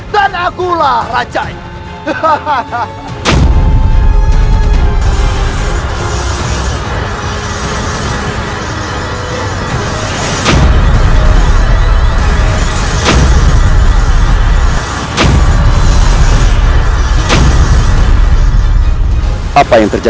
dan akulah rajanya